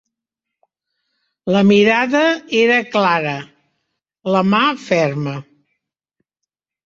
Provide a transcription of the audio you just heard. La mirada era clara, la mà ferma.